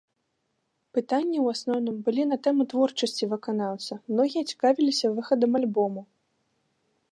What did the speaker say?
Пытанні ў асноўным былі на тэму творчасці выканаўца, многія цікавіліся выхадам альбому.